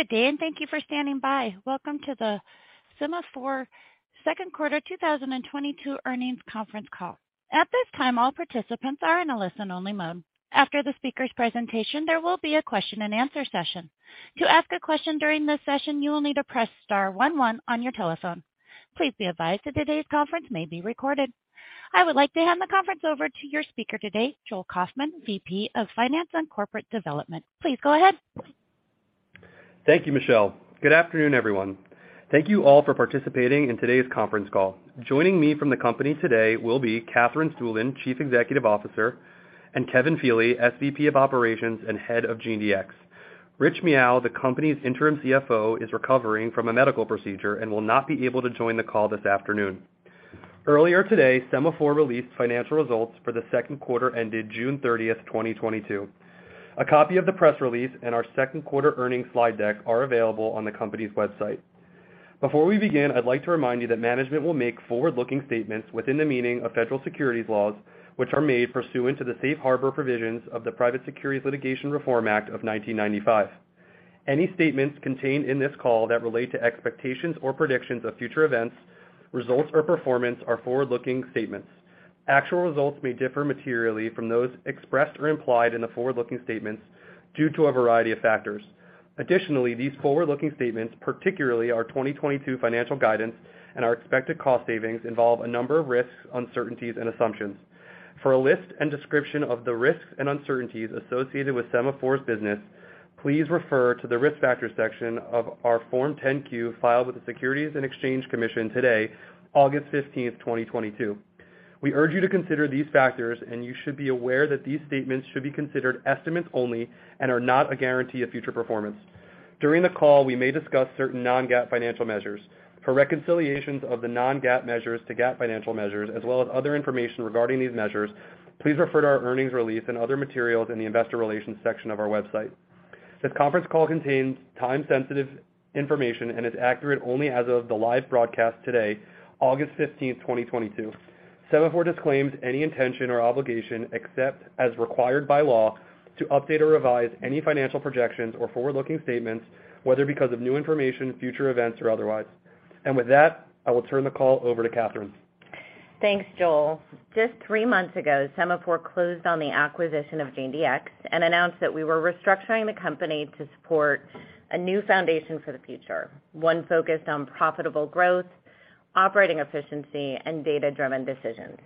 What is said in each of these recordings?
Good day, and thank you for standing by. Welcome to the Sema4 second quarter 2022 earnings conference call. At this time, all participants are in a listen-only mode. After the speaker's presentation, there will be a question-and-answer session. To ask a question during this session, you will need to press star-one-one on your telephone. Please be advised that today's conference may be recorded. I would like to hand the conference over to your speaker today, Joel Kaufman, VP of Finance and Corporate Development. Please go ahead. Thank you, Michelle. Good afternoon, everyone. Thank you all for participating in today's conference call. Joining me from the company today will be Katherine Stueland, Chief Executive Officer, and Kevin Feeley, SVP of Operations and Head of GeneDx. Rich Miao, the company's interim CFO, is recovering from a medical procedure and will not be able to join the call this afternoon. Earlier today, Sema4 released financial results for the second quarter ended June 30th, 2022. A copy of the press release and our second quarter earnings slide deck are available on the company's website. Before we begin, I'd like to remind you that management will make forward-looking statements within the meaning of federal securities laws, which are made pursuant to the Safe Harbor provisions of the Private Securities Litigation Reform Act of 1995. Any statements contained in this call that relate to expectations or predictions of future events, results, or performance are forward-looking statements. Actual results may differ materially from those expressed or implied in the forward-looking statements due to a variety of factors. Additionally, these forward-looking statements, particularly our 2022 financial guidance and our expected cost savings, involve a number of risks, uncertainties, and assumptions. For a list and description of the risks and uncertainties associated with Sema4's business, please refer to the Risk Factors section of our Form 10-Q filed with the Securities and Exchange Commission today, August 15, 2022. We urge you to consider these factors, and you should be aware that these statements should be considered estimates only and are not a guarantee of future performance. During the call, we may discuss certain non-GAAP financial measures. For reconciliations of the non-GAAP measures to GAAP financial measures, as well as other information regarding these measures, please refer to our earnings release and other materials in the Investor Relations section of our website. This conference call contains time-sensitive information and is accurate only as of the live broadcast today, August 15, 2022. Sema4 disclaims any intention or obligation, except as required by law, to update or revise any financial projections or forward-looking statements, whether because of new information, future events, or otherwise. With that, I will turn the call over to Katherine. Thanks, Joel. Just three months ago, Sema4 closed on the acquisition of GeneDx and announced that we were restructuring the company to support a new foundation for the future, one focused on profitable growth, operating efficiency, and data-driven decisions.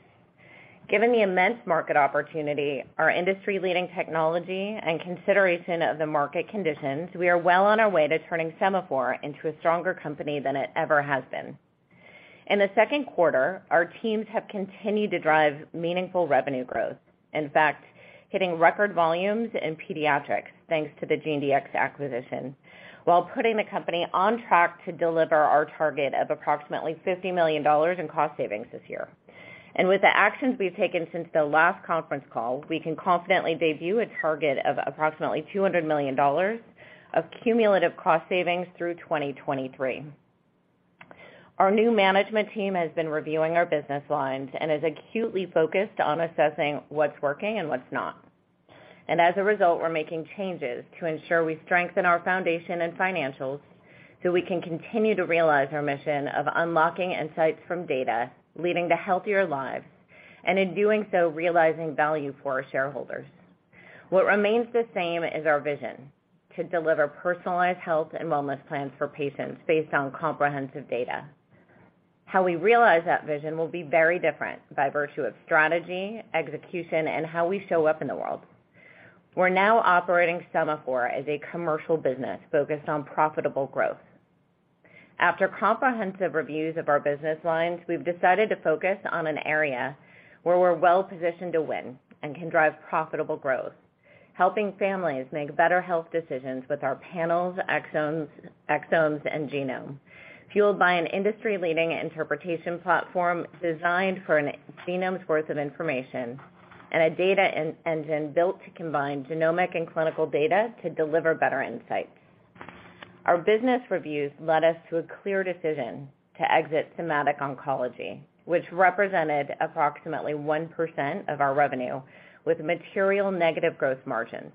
Given the immense market opportunity, our industry-leading technology, and consideration of the market conditions, we are well on our way to turning Sema4 into a stronger company than it ever has been. In the second quarter, our teams have continued to drive meaningful revenue growth. In fact, hitting record volumes in pediatrics, thanks to the GeneDx acquisition, while putting the company on track to deliver our target of approximately $50 million in cost savings this year. With the actions we've taken since the last conference call, we can confidently debut a target of approximately $200 million of cumulative cost savings through 2023. Our new management team has been reviewing our business lines and is acutely focused on assessing what's working and what's not. As a result, we're making changes to ensure we strengthen our foundation and financials so we can continue to realize our mission of unlocking insights from data, leading to healthier lives, and in doing so, realizing value for our shareholders. What remains the same is our vision: to deliver personalized health and wellness plans for patients based on comprehensive data. How we realize that vision will be very different by virtue of strategy, execution, and how we show up in the world. We're now operating Sema4 as a commercial business focused on profitable growth. After comprehensive reviews of our business lines, we've decided to focus on an area where we're well-positioned to win and can drive profitable growth, helping families make better health decisions with our panels, exomes, and genome, fueled by an industry-leading interpretation platform designed for a genome's worth of information and a data engine built to combine genomic and clinical data to deliver better insights. Our business reviews led us to a clear decision to exit somatic oncology, which represented approximately 1% of our revenue with material negative growth margins.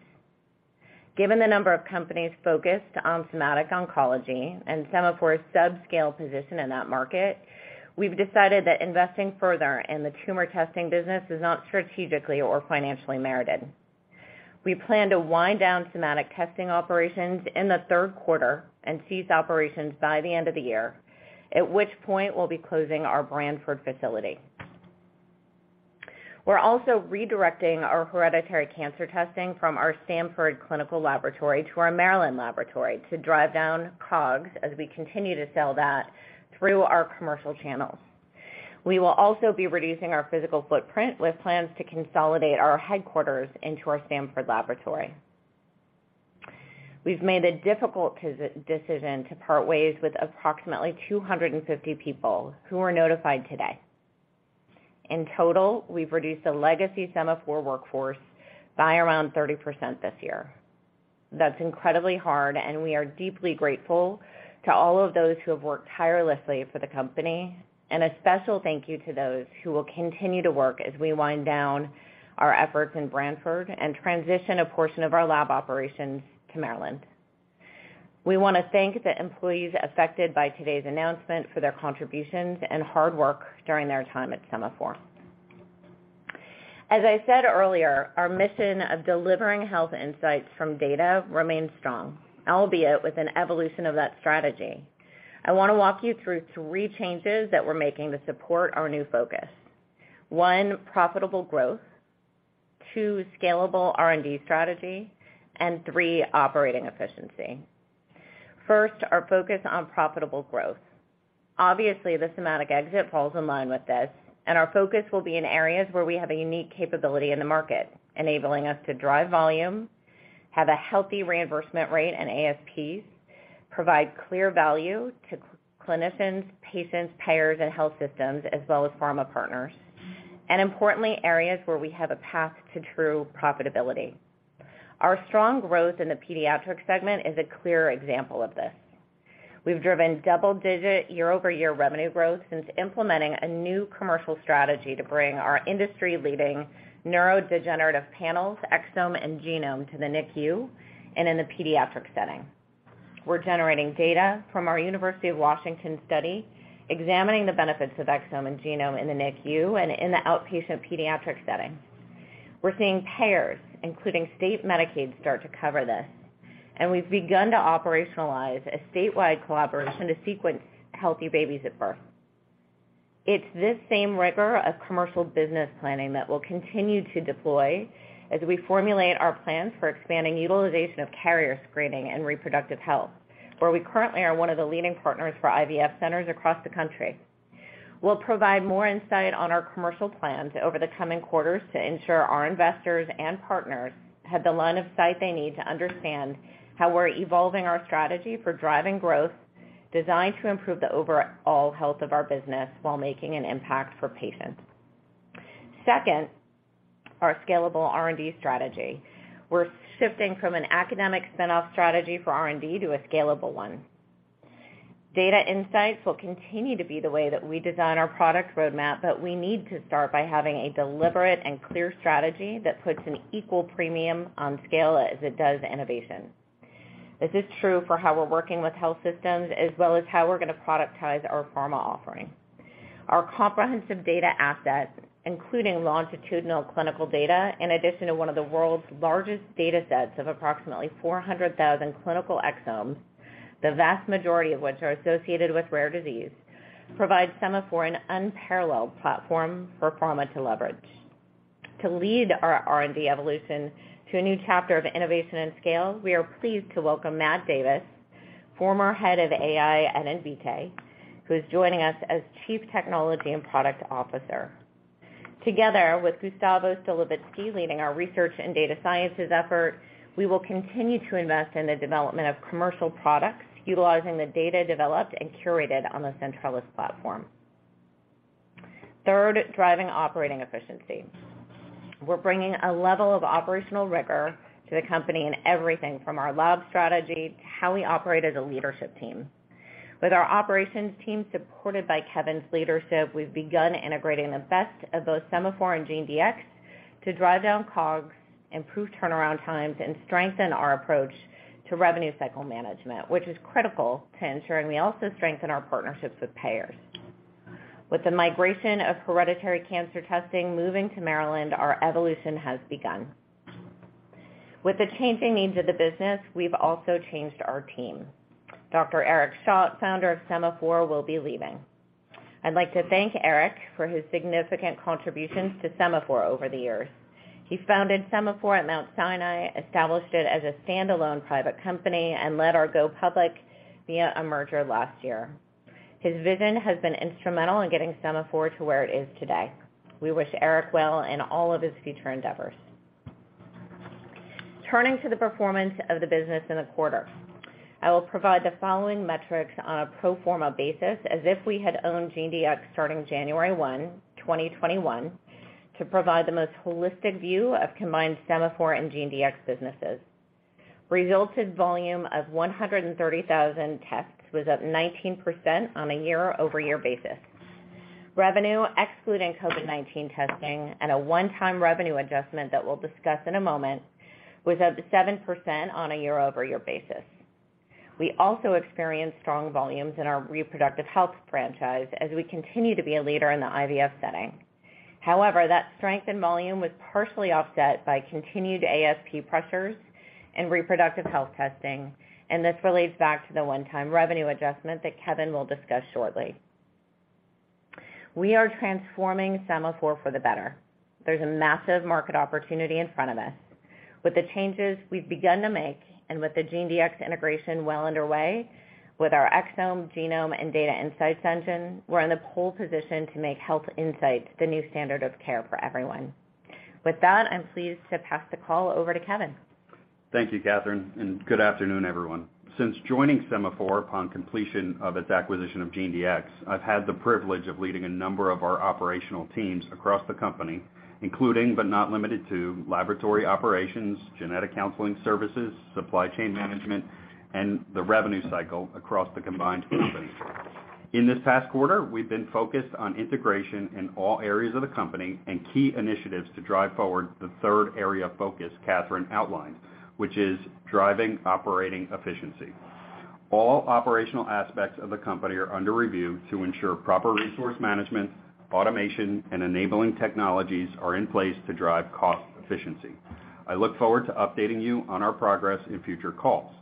Given the number of companies focused on somatic oncology and Sema4's subscale position in that market, we've decided that investing further in the tumor testing business is not strategically or financially merited. We plan to wind down somatic testing operations in the third quarter and cease operations by the end of the year, at which point we'll be closing our Branford facility. We're also redirecting our hereditary cancer testing from our Stamford clinical laboratory to our Maryland laboratory to drive down COGS as we continue to sell that through our commercial channels. We will also be reducing our physical footprint with plans to consolidate our headquarters into our Stamford laboratory. We've made a difficult decision to part ways with approximately 250 people who were notified today. In total, we've reduced the legacy Sema4 workforce by around 30% this year. That's incredibly hard, and we are deeply grateful to all of those who have worked tirelessly for the company, and a special thank you to those who will continue to work as we wind down our efforts in Branford and transition a portion of our lab operations to Maryland. We want to thank the employees affected by today's announcement for their contributions and hard work during their time at Sema4. As I said earlier, our mission of delivering health insights from data remains strong, albeit with an evolution of that strategy. I want to walk you through three changes that we're making to support our new focus. One, profitable growth. Two, scalable R&D strategy. Three, operating efficiency. First, our focus on profitable growth. Obviously, the somatic exit falls in line with this, and our focus will be in areas where we have a unique capability in the market, enabling us to drive volume, have a healthy reimbursement rate and ASP, provide clear value to clinicians, patients, payers, and health systems, as well as pharma partners, and importantly, areas where we have a path to true profitability. Our strong growth in the pediatric segment is a clear example of this. We've driven double digit year-over-year revenue growth since implementing a new commercial strategy to bring our industry-leading neurodevelopmental disorders, exome and genome, to the NICU and in the pediatric setting. We're generating data from our University of Washington study examining the benefits of exome and genome in the NICU and in the outpatient pediatric setting. We're seeing payers, including state Medicaid, start to cover this, and we've begun to operationalize a statewide collaboration to sequence healthy babies at birth. It's this same rigor of commercial business planning that we'll continue to deploy as we formulate our plans for expanding utilization of carrier screening and reproductive health, where we currently are one of the leading partners for IVF centers across the country. We'll provide more insight on our commercial plans over the coming quarters to ensure our investors and partners have the line of sight they need to understand how we're evolving our strategy for driving growth designed to improve the overall health of our business while making an impact for patients. Second, our scalable R&D strategy. We're shifting from an academic spin-off strategy for R&D to a scalable one. Data insights will continue to be the way that we design our product roadmap, but we need to start by having a deliberate and clear strategy that puts an equal premium on scale as it does innovation. This is true for how we're working with health systems as well as how we're going to productize our pharma offering. Our comprehensive data assets, including longitudinal clinical data, in addition to one of the world's largest data sets of approximately 400,000 clinical exomes, the vast majority of which are associated with rare disease, provide Sema4 an unparalleled platform for pharma to leverage. To lead our R&D evolution to a new chapter of innovation and scale, we are pleased to welcome Matthew Davis, former head of AI at Invitae, who is joining us as Chief Technology and Product Officer. Together with Gustavo Stolovitzky leading our research and data sciences effort, we will continue to invest in the development of commercial products utilizing the data developed and curated on the Centrellis platform. Third, driving operating efficiency. We're bringing a level of operational rigor to the company in everything from our lab strategy to how we operate as a leadership team. With our operations team supported by Kevin's leadership, we've begun integrating the best of both Sema4 and GeneDx to drive down COGS, improve turnaround times, and strengthen our approach to revenue cycle management, which is critical to ensuring we also strengthen our partnerships with payers. With the migration of hereditary cancer testing moving to Maryland, our evolution has begun. With the changing needs of the business, we've also changed our team. Dr. Eric Schadt, founder of Sema4, will be leaving. I'd like to thank Eric for his significant contributions to Sema4 over the years. He founded Sema4 at Mount Sinai, established it as a standalone private company, and led us to go public via a merger last year. His vision has been instrumental in getting Sema4 to where it is today. We wish Eric well in all of his future endeavors. Turning to the performance of the business in the quarter. I will provide the following metrics on a pro forma basis as if we had owned GeneDx starting January 1, 2021, to provide the most holistic view of combined Sema4 and GeneDx businesses. Test volume of 130,000 tests was up 19% on a year-over-year basis. Revenue, excluding COVID-19 testing and a one-time revenue adjustment that we'll discuss in a moment, was up 7% on a year-over-year basis. We also experienced strong volumes in our reproductive health franchise as we continue to be a leader in the IVF setting. However, that strength in volume was partially offset by continued ASP pressures in reproductive health testing, and this relates back to the one-time revenue adjustment that Kevin will discuss shortly. We are transforming Sema4 for the better. There's a massive market opportunity in front of us. With the changes we've begun to make, and with the GeneDx integration well underway, with our exome, genome, and data insights engine, we're in the pole position to make health insights the new standard of care for everyone. With that, I'm pleased to pass the call over to Kevin. Thank you, Katherine, and good afternoon, everyone. Since joining Sema4 upon completion of its acquisition of GeneDx, I've had the privilege of leading a number of our operational teams across the company, including, but not limited to, laboratory operations, genetic counseling services, supply chain management, and the revenue cycle across the combined company. In this past quarter, we've been focused on integration in all areas of the company and key initiatives to drive forward the third area of focus Katherine outlined, which is driving operating efficiency. All operational aspects of the company are under review to ensure proper resource management, automation, and enabling technologies are in place to drive cost efficiency. I look forward to updating you on our progress in future calls.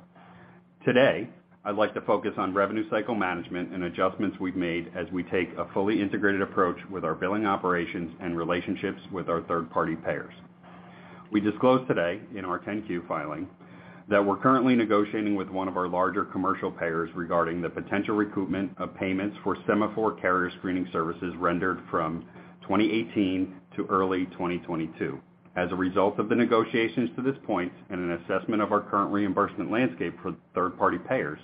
Today, I'd like to focus on revenue cycle management and adjustments we've made as we take a fully integrated approach with our billing operations and relationships with our third-party payers. We disclosed today in our 10-Q filing that we're currently negotiating with one of our larger commercial payers regarding the potential recoupment of payments for Sema4 carrier screening services rendered from 2018 to early 2022. As a result of the negotiations to this point and an assessment of our current reimbursement landscape for third-party payers,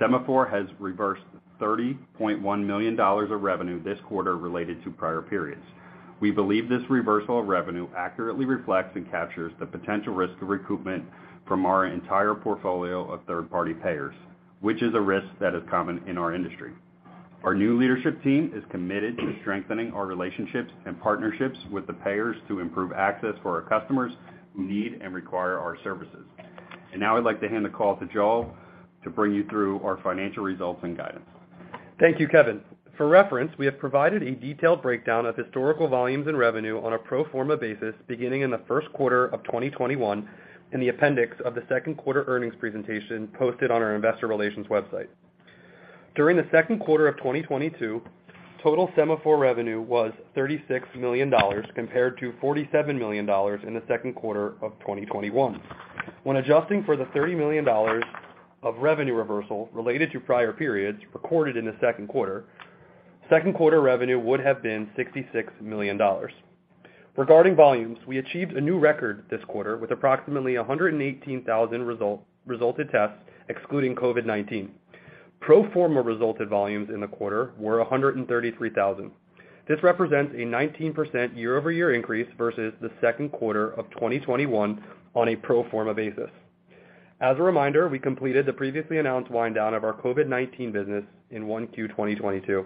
Sema4 has reversed $30.1 million of revenue this quarter related to prior periods. We believe this reversal of revenue accurately reflects and captures the potential risk of recoupment from our entire portfolio of third-party payers, which is a risk that is common in our industry. Our new leadership team is committed to strengthening our relationships and partnerships with the payers to improve access for our customers who need and require our services. Now I'd like to hand the call to Joel to bring you through our financial results and guidance. Thank you, Kevin. For reference, we have provided a detailed breakdown of historical volumes and revenue on a pro forma basis beginning in the first quarter of 2021 in the appendix of the second quarter earnings presentation posted on our investor relations website. During the second quarter of 2022, total Sema4 revenue was $36 million compared to $47 million in the second quarter of 2021. When adjusting for the $30 million of revenue reversal related to prior periods recorded in the second quarter, second quarter revenue would have been $66 million. Regarding volumes, we achieved a new record this quarter with approximately 118,000 resulted tests excluding COVID-19. Pro forma resulted volumes in the quarter were 133,000. This represents a 19% year-over-year increase versus the second quarter of 2021 on a pro forma basis. As a reminder, we completed the previously announced wind down of our COVID-19 business in 1Q 2022.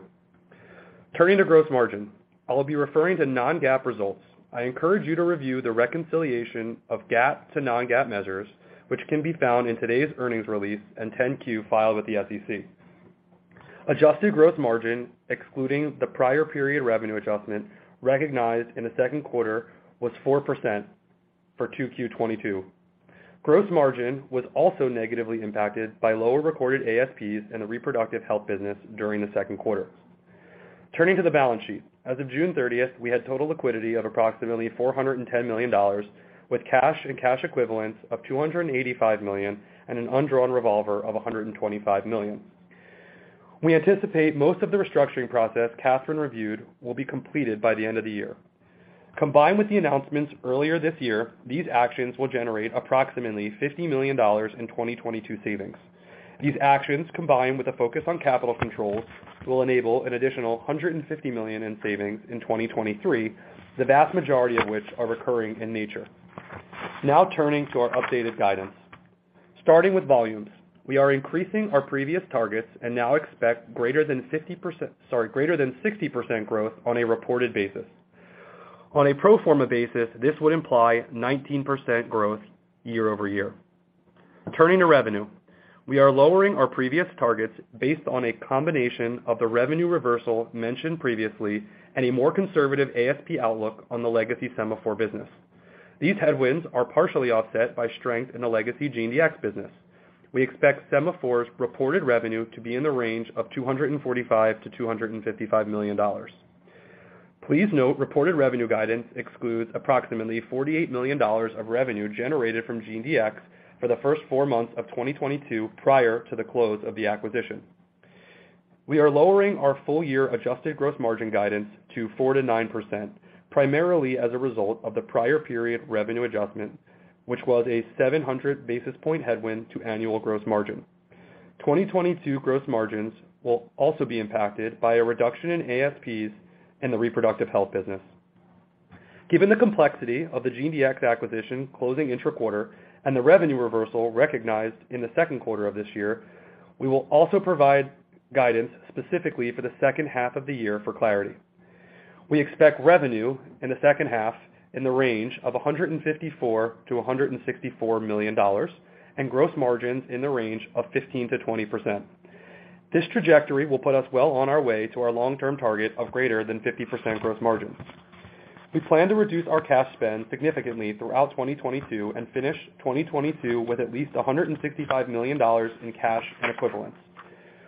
Turning to gross margin, I'll be referring to non-GAAP results. I encourage you to review the reconciliation of GAAP to non-GAAP measures, which can be found in today's earnings release and 10-Q filed with the SEC. Adjusted gross margin, excluding the prior period revenue adjustment recognized in the second quarter, was 4% for 2Q 2022. Gross margin was also negatively impacted by lower recorded ASPs in the reproductive health business during the second quarter. Turning to the balance sheet, as of June 30th, we had total liquidity of approximately $410 million, with cash and cash equivalents of $285 million and an undrawn revolver of $125 million. We anticipate most of the restructuring process Katherine reviewed will be completed by the end of the year. Combined with the announcements earlier this year, these actions will generate approximately $50 million in 2022 savings. These actions, combined with a focus on capital controls, will enable an additional $150 million in savings in 2023, the vast majority of which are recurring in nature. Now turning to our updated guidance. Starting with volumes, we are increasing our previous targets and now expect greater than 60% growth on a reported basis. On a pro forma basis, this would imply 19% growth year-over-year. Turning to revenue, we are lowering our previous targets based on a combination of the revenue reversal mentioned previously and a more conservative ASP outlook on the legacy Sema4 business. These headwinds are partially offset by strength in the legacy GeneDx business. We expect Sema4's reported revenue to be in the range of $245 million-$255 million. Please note reported revenue guidance excludes approximately $48 million of revenue generated from GeneDx for the first four months of 2022 prior to the close of the acquisition. We are lowering our full year adjusted gross margin guidance to 4%-9% primarily as a result of the prior period revenue adjustment, which was a 700 basis point headwind to annual gross margin. 2022 gross margins will also be impacted by a reduction in ASPs in the reproductive health business. Given the complexity of the GeneDx acquisition closing intra-quarter and the revenue reversal recognized in the second quarter of this year, we will also provide guidance specifically for the second half of the year for clarity. We expect revenue in the second half in the range of $154 million-$164 million and gross margins in the range of 15%-20%. This trajectory will put us well on our way to our long-term target of greater than 50% gross margins. We plan to reduce our cash spend significantly throughout 2022 and finish 2022 with at least $165 million in cash and equivalents.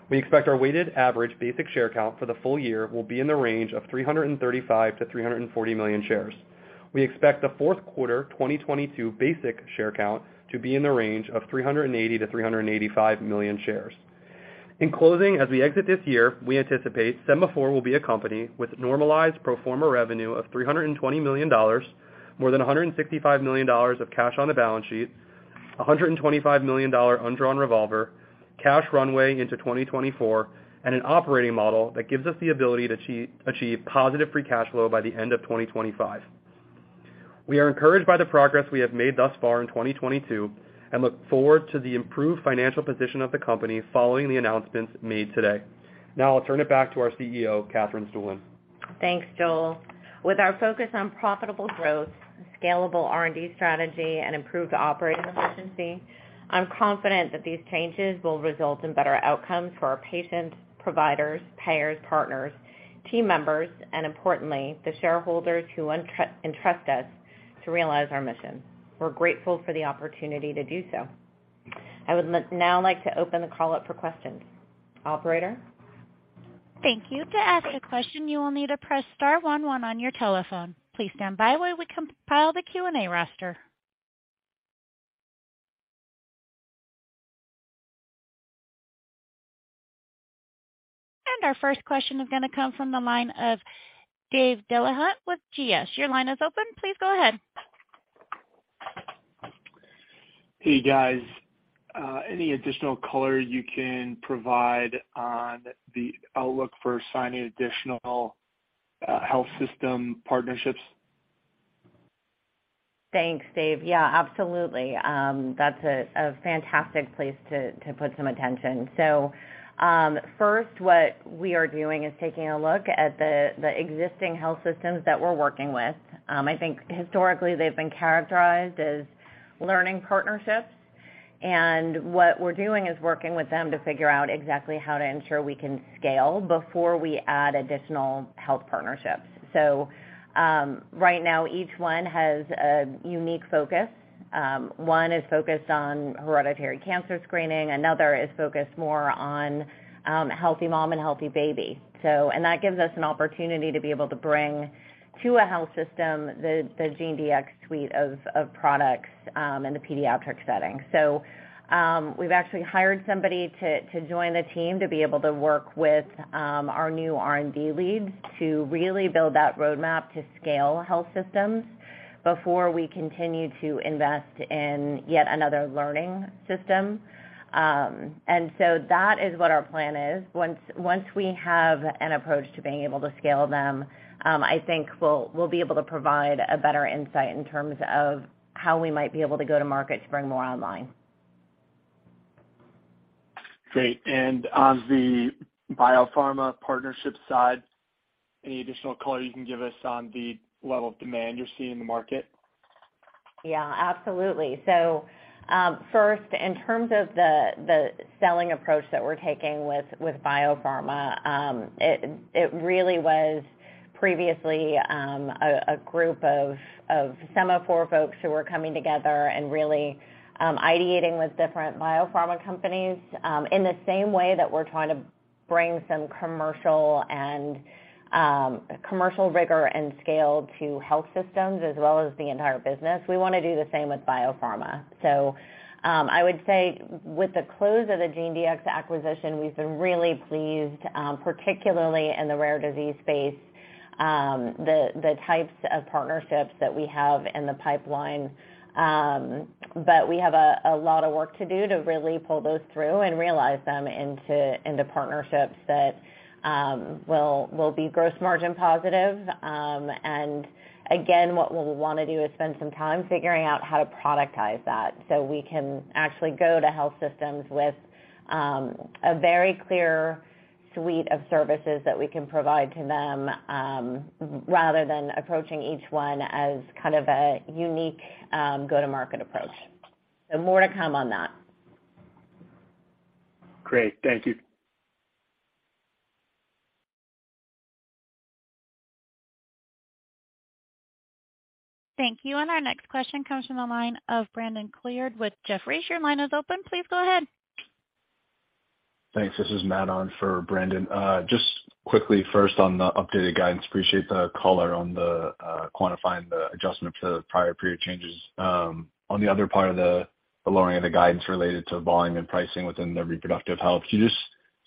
We expect our weighted average basic share count for the full year will be in the range of 335 million-340 million shares. We expect the fourth quarter 2022 basic share count to be in the range of 380 million-385 million shares. In closing, as we exit this year, we anticipate Sema4 will be a company with normalized pro forma revenue of $320 million, more than $165 million of cash on the balance sheet, $125 million undrawn revolver, cash runway into 2024, and an operating model that gives us the ability to achieve positive free cash flow by the end of 2025. We are encouraged by the progress we have made thus far in 2022, and look forward to the improved financial position of the company following the announcements made today. Now I'll turn it back to our CEO, Katherine Stueland. Thanks, Joel. With our focus on profitable growth, scalable R&D strategy, and improved operating efficiency, I'm confident that these changes will result in better outcomes for our patients, providers, payers, partners, team members, and importantly, the shareholders who entrust us to realize our mission. We're grateful for the opportunity to do so. I would now like to open the call up for questions. Operator? Thank you. To ask a question, you will need to press star-one-one on your telephone. Please stand by while we compile the Q&A roster. Our first question is going to come from the line of [Dave Djalleta] with GS. Your line is open. Please go ahead. Hey, guys. Any additional color you can provide on the outlook for signing additional health system partnerships? Thanks, Dave. Yeah, absolutely. That's a fantastic place to put some attention. First, what we are doing is taking a look at the existing health systems that we're working with. I think historically they've been characterized as learning partnerships. What we're doing is working with them to figure out exactly how to ensure we can scale before we add additional health partnerships. Right now, each one has a unique focus. One is focused on hereditary cancer screening, another is focused more on healthy mom and healthy baby. That gives us an opportunity to be able to bring to a health system the GeneDx suite of products in the pediatric setting. We've actually hired somebody to join the team to be able to work with our new R&D leads to really build that roadmap to scale health systems before we continue to invest in yet another learning system. That is what our plan is. Once we have an approach to being able to scale them, I think we'll be able to provide a better insight in terms of how we might be able to go to market to bring more online. Great. On the biopharma partnership side, any additional color you can give us on the level of demand you're seeing in the market? Yeah, absolutely. First, in terms of the selling approach that we're taking with biopharma, it really was previously a group of Sema4 folks who were coming together and really ideating with different biopharma companies, in the same way that we're trying to bring some commercial and commercial rigor and scale to health systems as well as the entire business. We want to do the same with biopharma. I would say with the close of the GeneDx acquisition, we've been really pleased, particularly in the rare disease space, the types of partnerships that we have in the pipeline. We have a lot of work to do to really pull those through and realize them into partnerships that will be gross margin positive. What we'll want to do is spend some time figuring out how to productize that, so we can actually go to health systems with a very clear suite of services that we can provide to them, rather than approaching each one as kind of a unique go-to-market approach. More to come on that. Great. Thank you. Thank you. Our next question comes from the line of Brandon Couillard with Jefferies. Your line is open. Please go ahead. Thanks. This is Matt on for Brandon. Just quickly first on the updated guidance, appreciate the color on the quantifying the adjustment to the prior period changes. On the other part of the lowering of the guidance related to volume and pricing within the reproductive health, could you just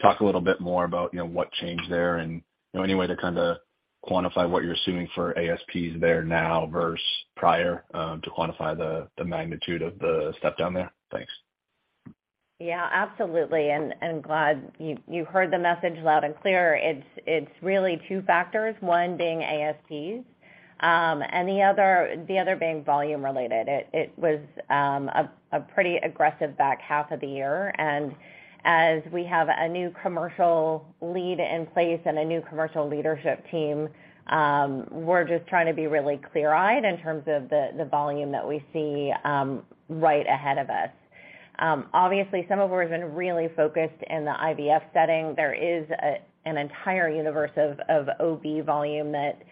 talk a little bit more about, you know, what changed there and, you know, any way to kinda quantify what you're assuming for ASP there now versus prior, to quantify the magnitude of the step down there? Thanks. Yeah, absolutely. Glad you heard the message loud and clear. It's really two factors, one being ASP, and the other being volume related. It was a pretty aggressive back half of the year. As we have a new commercial lead in place and a new commercial leadership team, we're just trying to be really clear-eyed in terms of the volume that we see right ahead of us. Obviously, Sema4 has been really focused in the IVF setting. There is an entire universe of OB volume that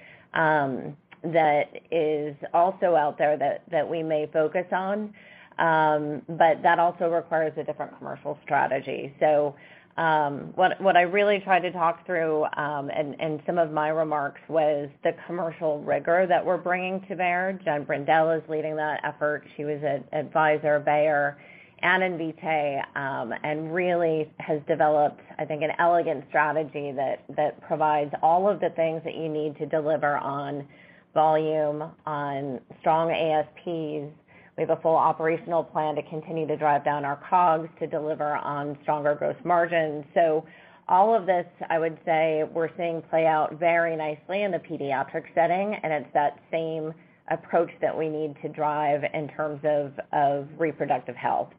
is also out there that we may focus on, but that also requires a different commercial strategy. What I really tried to talk through in some of my remarks was the commercial rigor that we're bringing to bear. Jennifer Brendel is leading that effort. She was an advisor at Bayer and Invitae and really has developed, I think, an elegant strategy that provides all of the things that you need to deliver on volume, on strong ASP. We have a full operational plan to continue to drive down our COGS to deliver on stronger growth margins. So all of this, I would say, we're seeing play out very nicely in the pediatric setting, and it's that same approach that we need to drive in terms of reproductive health.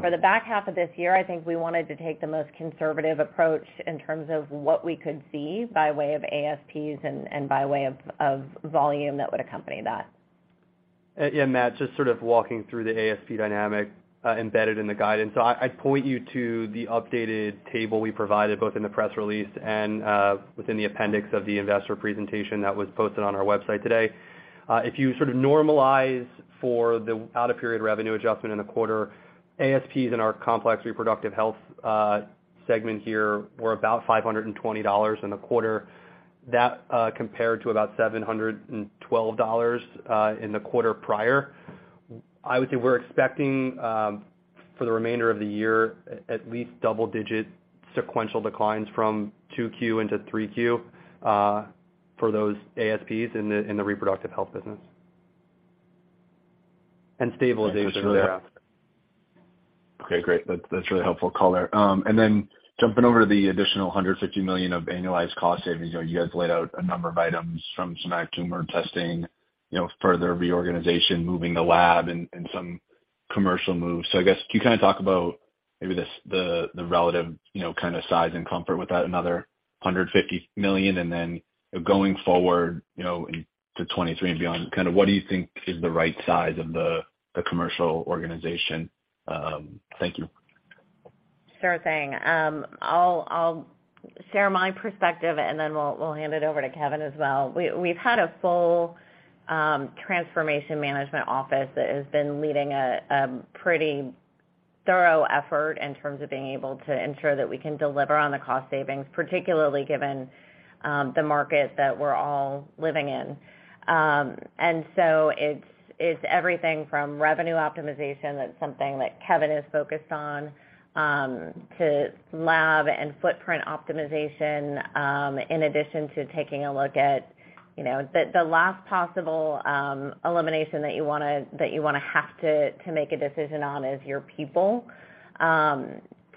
For the back half of this year, I think we wanted to take the most conservative approach in terms of what we could see by way of ASP and by way of volume that would accompany that. Yeah, Matt, just sort of walking through the ASP dynamic embedded in the guidance. I'd point you to the updated table we provided both in the press release and within the appendix of the investor presentation that was posted on our website today. If you sort of normalize for the out-of-period revenue adjustment in the quarter, ASP in our complex reproductive health segment here were about $520 in the quarter. That compared to about $712 in the quarter prior. I would say we're expecting for the remainder of the year, at least double-digit sequential declines from 2Q into 3Q for those ASP in the reproductive health business. Stabilization thereafter. Okay, great. That's really helpful color. Jumping over to the additional $150 million of annualized cost savings. You know, you guys laid out a number of items from somatic tumor testing, you know, further reorganization, moving the lab and some commercial moves. I guess, can you kind of talk about maybe the relative, you know, kind of size and comfort with that another $150 million? Going forward, you know, to 2023 and beyond, kind of what do you think is the right size of the commercial organization? Thank you. Sure thing. I'll share my perspective, and then we'll hand it over to Kevin as well. We've had a full transformation management office that has been leading a pretty thorough effort in terms of being able to ensure that we can deliver on the cost savings, particularly given the market that we're all living in. It's everything from revenue optimization, that's something that Kevin is focused on, to lab and footprint optimization, in addition to taking a look at, you know, the last possible elimination that you want to have to make a decision on is your people.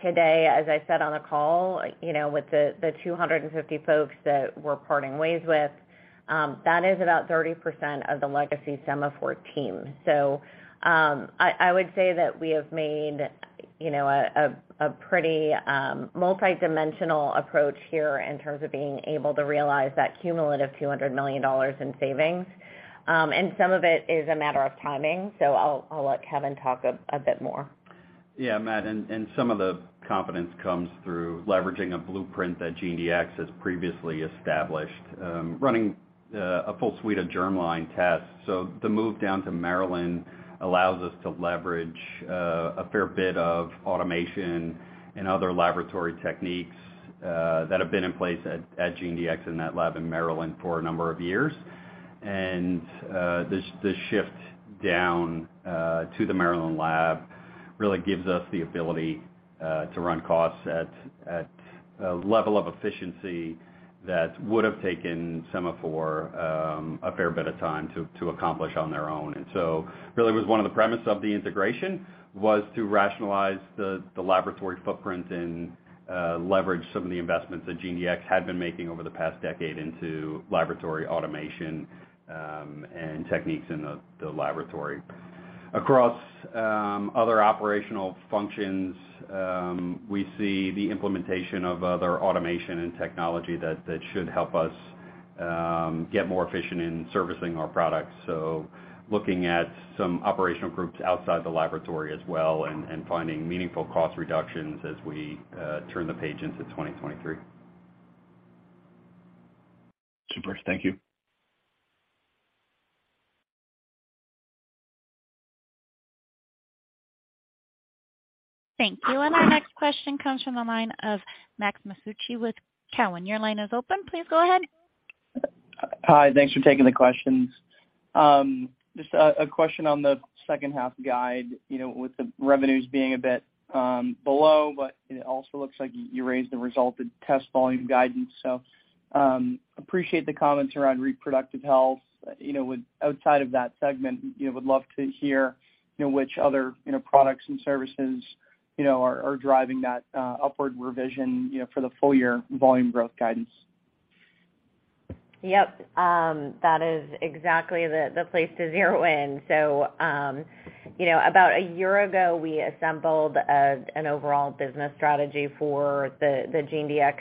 Today, as I said on the call, you know, with the 250 folks that we're parting ways with, that is about 30% of the legacy Sema4 team. I would say that we have made, you know, a pretty multidimensional approach here in terms of being able to realize that cumulative $200 million in savings. Some of it is a matter of timing, so I'll let Kevin talk a bit more. Yeah, Matt, some of the confidence comes through leveraging a blueprint that GeneDx has previously established, running a full suite of germline tests. The move down to Maryland allows us to leverage a fair bit of automation and other laboratory techniques that have been in place at GeneDx in that lab in Maryland for a number of years. This shift down to the Maryland lab really gives us the ability to run costs at a level of efficiency that would have taken Sema4 a fair bit of time to accomplish on their own. Really was one of the premises of the integration was to rationalize the laboratory footprint and leverage some of the investments that GeneDx had been making over the past decade into laboratory automation and techniques in the laboratory. Across other operational functions, we see the implementation of other automation and technology that should help us get more efficient in servicing our products. Looking at some operational groups outside the laboratory as well and finding meaningful cost reductions as we turn the page into 2023. Super. Thank you. Thank you. Our next question comes from the line of Max Masucci with Cowen. Your line is open. Please go ahead. Hi. Thanks for taking the questions. Just a question on the second half guide, you know, with the revenues being a bit below, but it also looks like you raised the adjusted test volume guidance. Appreciate the comments around reproductive health. You know, outside of that segment, you know, would love to hear, you know, which other, you know, products and services, you know, are driving that upward revision, you know, for the full year volume growth guidance. Yep. That is exactly the place to zero in. You know, about a year ago, we assembled an overall business strategy for the GeneDx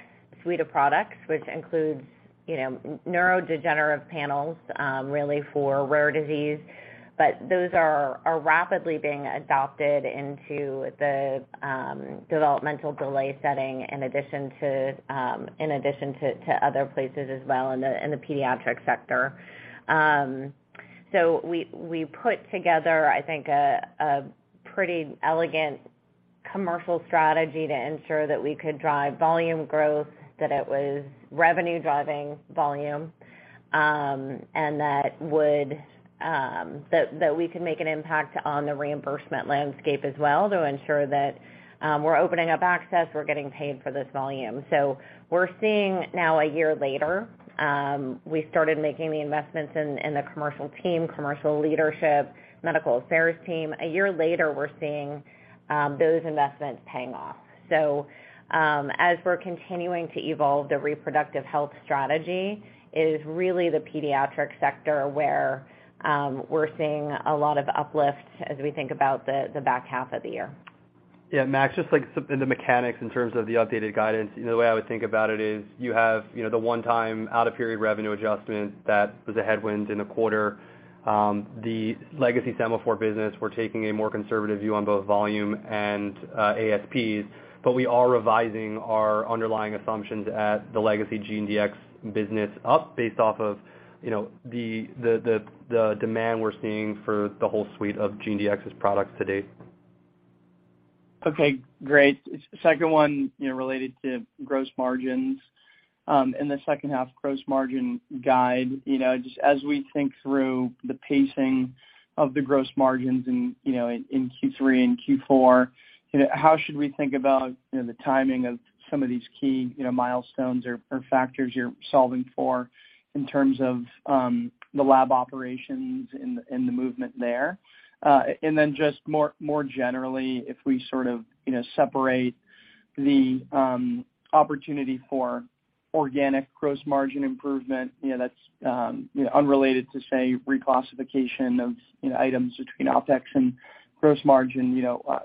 suite of products, which includes, you know, neurodevelopmental disorders, really for rare disease. Those are rapidly being adopted into the developmental delay setting in addition to other places as well in the pediatric sector. We put together, I think, a pretty elegant commercial strategy to ensure that we could drive volume growth, that it was revenue driving volume, and that we could make an impact on the reimbursement landscape as well to ensure that we're opening up access, we're getting paid for this volume. We're seeing now a year later, we started making the investments in the commercial team, commercial leadership, medical affairs team. A year later, we're seeing those investments paying off. As we're continuing to evolve the reproductive health strategy, it is really the pediatric sector where we're seeing a lot of uplifts as we think about the back half of the year. Yeah, Max, just like some in the mechanics in terms of the updated guidance, you know, the way I would think about it is you have, you know, the one-time out of period revenue adjustment that was a headwind in the quarter. The legacy Sema4 business, we're taking a more conservative view on both volume and ASP, but we are revising our underlying assumptions at the legacy GeneDx business up based off of, you know, the demand we're seeing for the whole suite of GeneDx's products to date. Okay, great. Second one, you know, related to gross margins. In the second half gross margin guide, you know, just as we think through the pacing of the gross margins in Q3 and Q4, you know, how should we think about, you know, the timing of some of these key, you know, milestones or factors you're solving for in terms of the lab operations and the movement there? Just more generally, if we sort of, you know, separate the opportunity for organic gross margin improvement, you know, that's, you know, unrelated to say, reclassification of items between OpEx and gross margin. You know,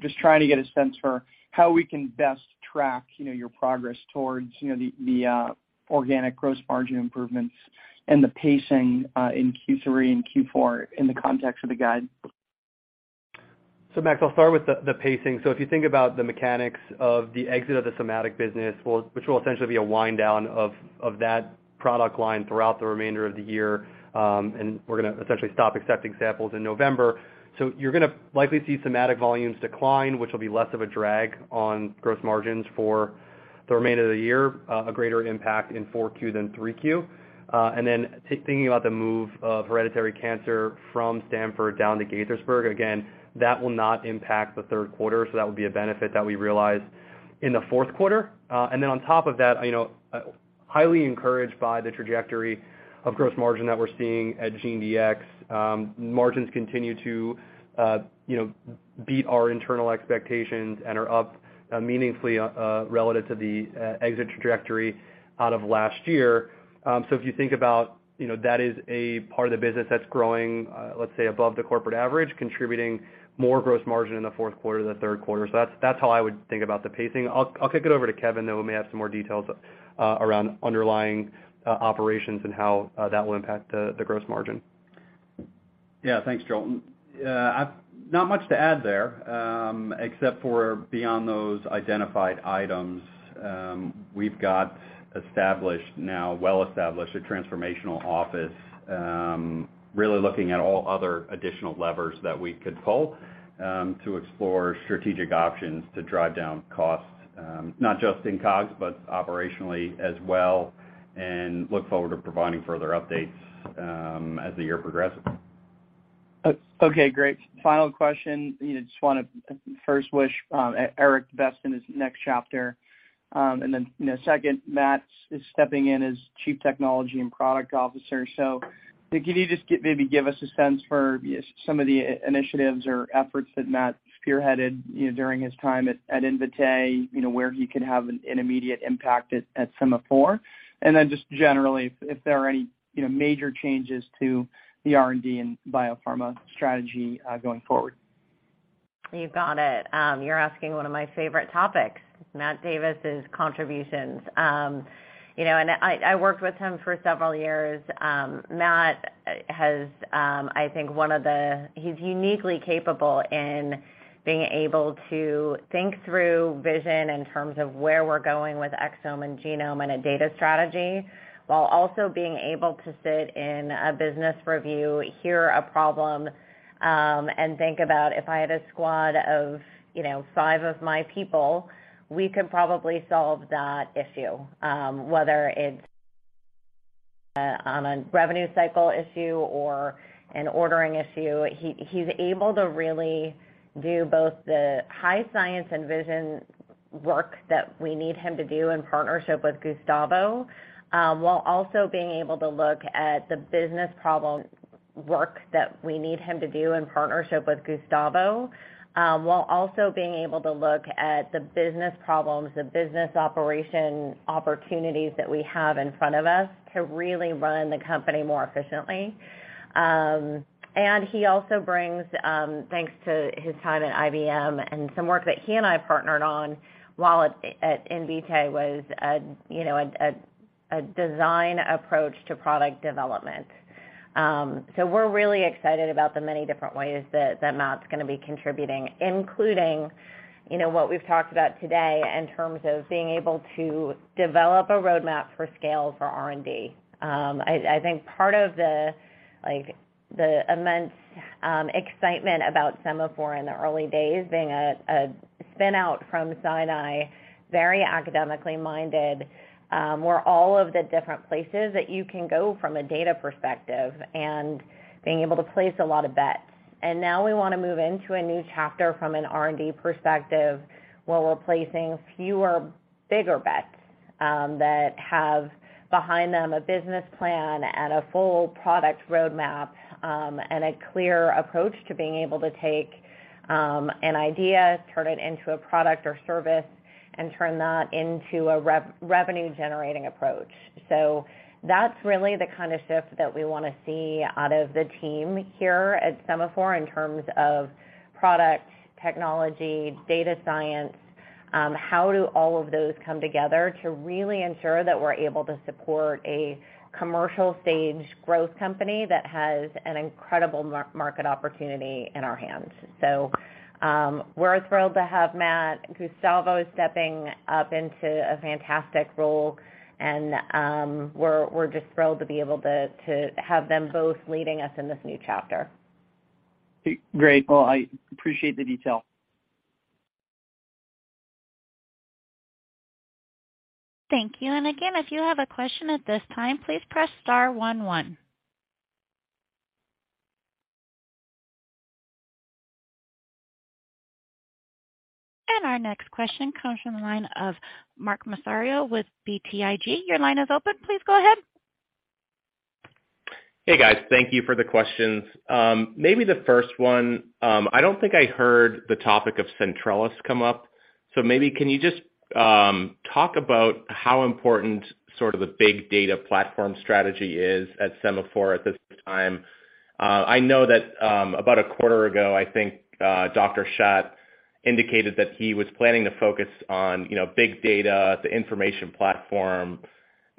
just trying to get a sense for how we can best track, you know, your progress towards, you know, the organic gross margin improvements and the pacing in Q3 and Q4 in the context of the guide. Max, I'll start with the pacing. If you think about the mechanics of the exit of the somatic business, well, which will essentially be a wind down of that product line throughout the remainder of the year, and we're going to essentially stop accepting samples in November. You're going to likely see somatic volumes decline, which will be less of a drag on gross margins for the remainder of the year, a greater impact in Q4 than Q3. And then thinking about the move of hereditary cancer from Stamford down to Gaithersburg, again, that will not impact the third quarter. That will be a benefit that we realize in the fourth quarter. And then on top of that, you know, highly encouraged by the trajectory of gross margin that we're seeing at GeneDx. Margins continue to, you know, beat our internal expectations and are up, meaningfully, relative to the exit trajectory out of last year. If you think about, you know, that is a part of the business that's growing, let's say above the corporate average, contributing more gross margin in the fourth quarter than the third quarter. That's how I would think about the pacing. I'll kick it over to Kevin, though, who may have some more details around underlying operations and how that will impact the gross margin. Yeah. Thanks, Joel. Not much to add there, except, beyond those identified items. We've now established a transformational office, really looking at all other additional levers that we could pull to explore strategic options to drive down costs, not just in COGS, but operationally as well, and look forward to providing further updates as the year progresses. Okay, great. Final question. You know, just want to first wish Eric the best in his next chapter. You know, second, Matt is stepping in as Chief Technology and Product Officer. Can you just maybe give us a sense for some of the initiatives or efforts that Matt spearheaded, you know, during his time at Invitae, you know, where he could have an immediate impact at Sema4? Just generally if there are any, you know, major changes to the R&D and biopharma strategy going forward. You've got it. You're asking one of my favorite topics, Matthew Davis' contributions. You know, I worked with him for several years. Matt, he's uniquely capable in being able to think through vision in terms of where we're going with exome and genome and a data strategy, while also being able to sit in a business review, hear a problem, and think about, "If I had a squad of, you know, five of my people, we could probably solve that issue." Whether it's on a revenue cycle issue or an ordering issue, he's able to really do both the high science and vision work that we need him to do in partnership with Gustavo, while also being able to look at the business problems, the business operation opportunities that we have in front of us to really run the company more efficiently. He also brings, thanks to his time at IBM and some work that he and I partnered on while at Invitae, you know, a design approach to product development. We're really excited about the many different ways that Matt's going to be contributing, including, you know, what we've talked about today in terms of being able to develop a roadmap for scale for R&D. I think part of the, like, the immense excitement about Sema4 in the early days being a spin out from Mount Sinai, very academically minded, were all of the different places that you can go from a data perspective and being able to place a lot of bets. Now we want to move into a new chapter from an R&D perspective, where we're placing fewer, bigger bets, that have behind them a business plan and a full product roadmap, and a clear approach to being able to take, an idea, turn it into a product or service, and turn that into a revenue generating approach. That's really the kind of shift that we want to see out of the team here at Sema4 in terms of product, technology, data science, how do all of those come together to really ensure that we're able to support a commercial stage growth company that has an incredible market opportunity in our hands? We're thrilled to have Matt. Gustavo is stepping up into a fantastic role, and we're just thrilled to be able to have them both leading us in this new chapter. Great. Well, I appreciate the detail. Thank you. Again, if you have a question at this time, please press star-one-one. Our next question comes from the line of Mark Massaro with BTIG. Your line is open. Please go ahead. Hey, guys. Thank you for the questions. Maybe the first one, I don't think I heard the topic of Centrellis come up, so maybe can you just talk about how important sort of the big data platform strategy is at Sema4 at this time? I know that about a quarter ago, I think Dr. Schadt indicated that he was planning to focus on, you know, big data, the information platform,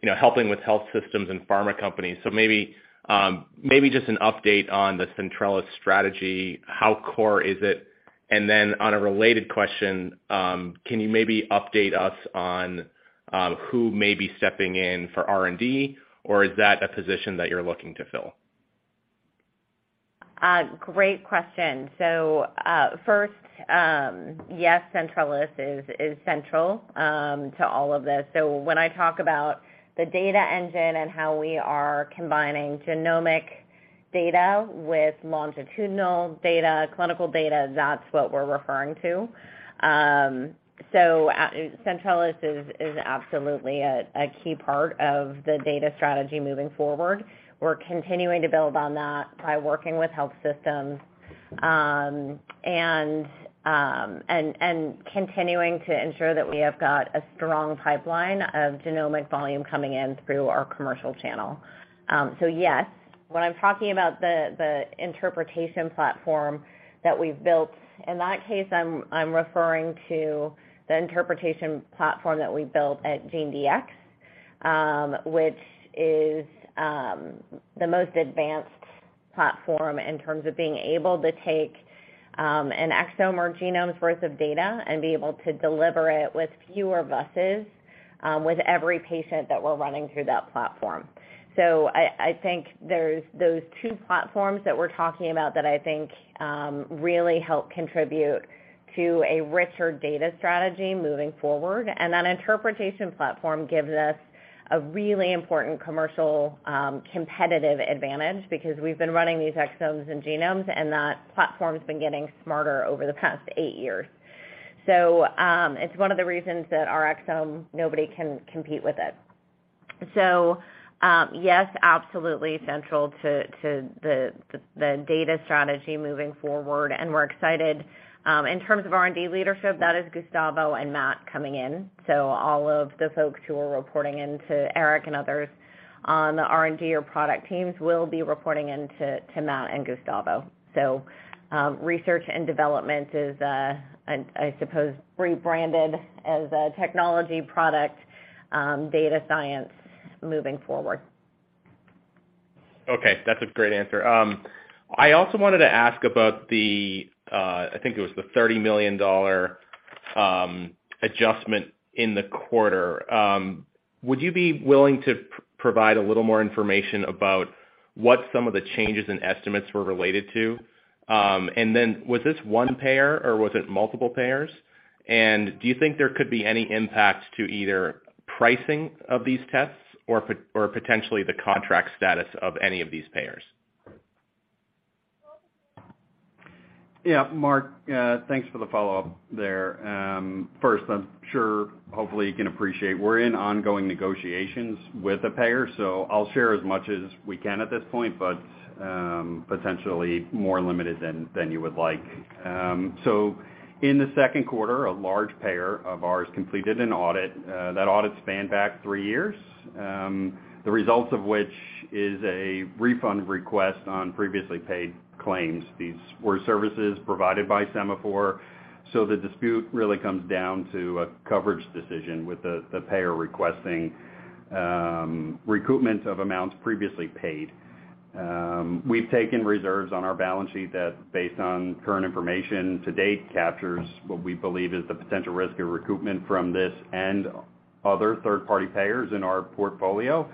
you know, helping with health systems and pharma companies. Maybe just an update on the Centrellis strategy, how core is it? And then on a related question, can you maybe update us on who may be stepping in for R&D, or is that a position that you're looking to fill? Great question. First, yes, Centrellis is central to all of this. When I talk about the data engine and how we are combining genomic data with longitudinal data, clinical data, that's what we're referring to. Centrellis is absolutely a key part of the data strategy moving forward. We're continuing to build on that by working with health systems and continuing to ensure that we have got a strong pipeline of genomic volume coming in through our commercial channel. Yes, when I'm talking about the interpretation platform that we've built, in that case, I'm referring to the interpretation platform that we built at GeneDx, which is the most advanced platform in terms of being able to take an exome or genome's worth of data and be able to deliver it with fewer VUSs with every patient that we're running through that platform. I think there's those two platforms that we're talking about that I think really help contribute to a richer data strategy moving forward. That interpretation platform gives us a really important commercial competitive advantage because we've been running these exomes and genomes, and that platform's been getting smarter over the past eight years. It's one of the reasons that our exome nobody can compete with it. Yes, absolutely central to the data strategy moving forward, and we're excited. In terms of R&D leadership, that is Gustavo and Matt coming in. All of the folks who are reporting into Eric and others on the R&D or product teams will be reporting into Matt and Gustavo. Research and development is, I suppose, rebranded as a technology product, data science moving forward. Okay, that's a great answer. I also wanted to ask about the, I think it was the $30 million adjustment in the quarter. Would you be willing to provide a little more information about what some of the changes in estimates were related to? Then was this one payer or was it multiple payers? Do you think there could be any impact to either pricing of these tests or potentially the contract status of any of these payers? Yeah, Mark, thanks for the follow-up there. First, I'm sure hopefully you can appreciate we're in ongoing negotiations with a payer, so I'll share as much as we can at this point, but potentially more limited than you would like. In the second quarter, a large payer of ours completed an audit that spanned back three years, the results of which is a refund request on previously paid claims. These were services provided by Sema4, so the dispute really comes down to a coverage decision with the payer requesting recoupment of amounts previously paid. We've taken reserves on our balance sheet that, based on current information to date, captures what we believe is the potential risk of recoupment from this and other third-party payers in our portfolio.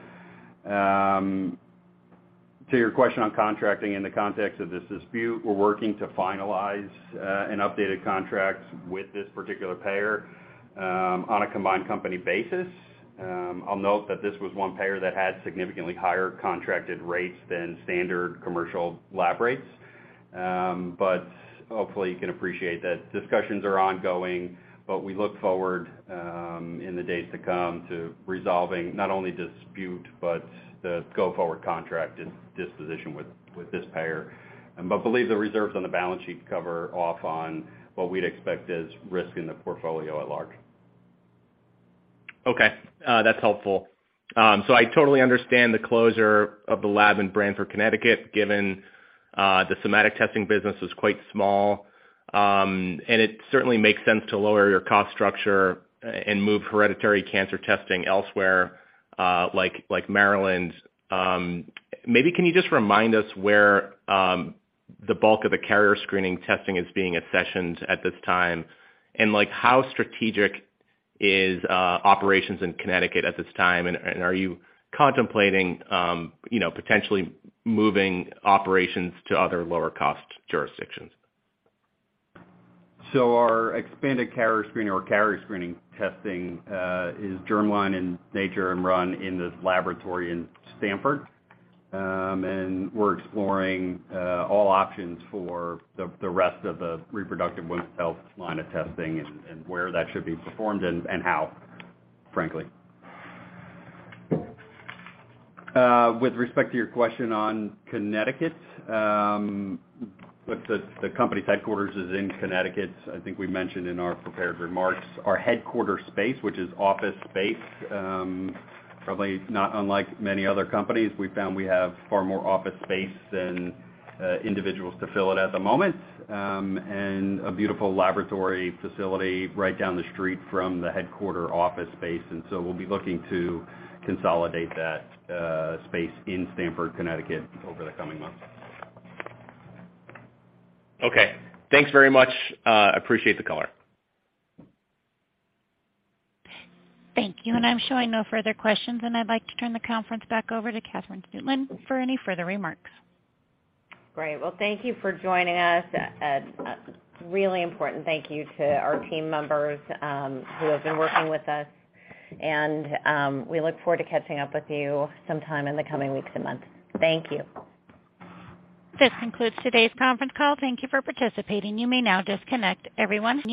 To your question on contracting in the context of this dispute, we're working to finalize an updated contract with this particular payer on a combined company basis. I'll note that this was one payer that had significantly higher contracted rates than standard commercial lab rates. Hopefully you can appreciate that discussions are ongoing, but we look forward in the days to come to resolving not only dispute, but the go-forward contract and disposition with this payer. Believe the reserves on the balance sheet cover off on what we'd expect as risk in the portfolio at large. Okay, that's helpful. I totally understand the closure of the lab in Branford, Connecticut, given the somatic testing business was quite small. It certainly makes sense to lower your cost structure and move hereditary cancer testing elsewhere, like Maryland. Maybe can you just remind us where the bulk of the carrier screening testing is being accessioned at this time? Like how strategic is operations in Connecticut at this time and are you contemplating, you know, potentially moving operations to other lower cost jurisdictions? Our expanded carrier screening or carrier screening testing is germline in nature and run in this laboratory in Stamford. We're exploring all options for the rest of the reproductive women's health line of testing and where that should be performed and how, frankly. With respect to your question on Connecticut, look, the company's headquarters is in Connecticut. I think we mentioned in our prepared remarks our headquarters space, which is office space, probably unlike many other companies. We found we have far more office space than individuals to fill it at the moment. A beautiful laboratory facility right down the street from the headquarters office space. We'll be looking to consolidate that space in Stamford, Connecticut over the coming months. Okay. Thanks very much. Appreciate the color. Thank you. I'm showing no further questions, and I'd like to turn the conference back over to Katherine Stueland for any further remarks. Great. Well, thank you for joining us. A really important thank you to our team members, who have been working with us, and we look forward to catching up with you sometime in the coming weeks and months. Thank you. This concludes today's conference call. Thank you for participating. You may now disconnect, everyone.